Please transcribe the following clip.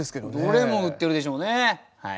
どれも売ってるでしょうね。